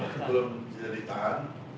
sebelum tidak ditahan